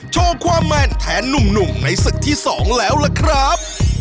โชคว่าแมนแทนนุ่มในศึกษ์ที่๒แล้วละครับ